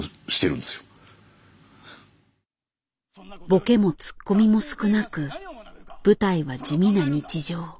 ボケもツッコミも少なく舞台は地味な日常。